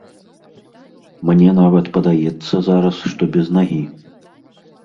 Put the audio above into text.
Мне нават падаецца зараз, што без нагі.